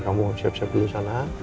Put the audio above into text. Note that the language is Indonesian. kamu siap siap dulu sana